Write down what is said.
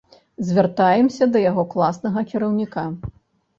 Звяртаемся да яго класнага кіраўніка.